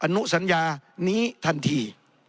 อนุสัญญานี้ทันที